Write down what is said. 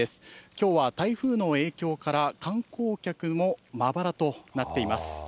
きょうは台風の影響から、観光客もまばらとなっています。